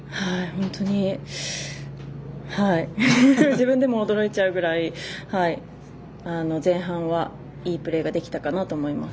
本当に自分でも驚いちゃうぐらい前半はいいプレーができたかなと思います。